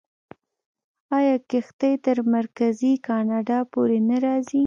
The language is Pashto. آیا کښتۍ تر مرکزي کاناډا پورې نه راځي؟